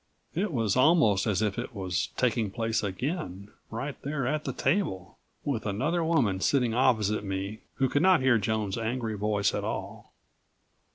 It was almost as if it was taking place again, right there at the table, with another woman sitting opposite me who could not hear Joan's angry voice at all.